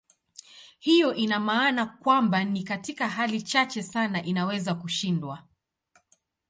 Hiyo ina maana kwamba ni katika hali chache sana inaweza kushindwa.